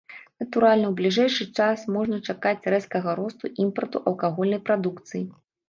Натуральна, у бліжэйшы час можна чакаць рэзкага росту імпарту алкагольнай прадукцыі.